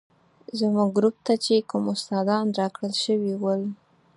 زموږ ګروپ ته چې کوم استادان راکړل شوي ول.